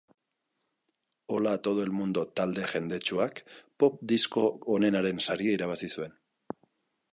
Hola a todo el mundo talde jendetsuak pop disko onenaren saria irabazi zuen.